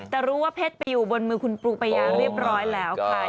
แต่รู้ว่าเพชรไปอยู่บนมือคุณปูปายาเรียบร้อยแล้วค่ะ